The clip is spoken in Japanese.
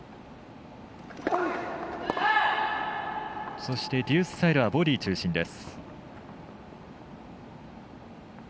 そしてデュースサイドはボディー中心です。